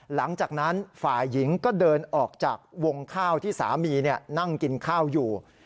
หลังจากนั้นฝ่ายหญิงก็เดินออกจากวงข้าวที่สามีนั่งกินข้าวอยู่